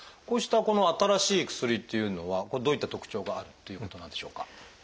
こうしたこの新しい薬っていうのはこれどういった特徴があるっていうことなんでしょうか？